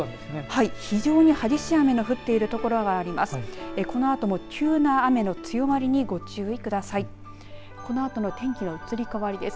非常に激しい雨の降っている所があります。